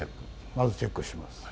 まずチェックします。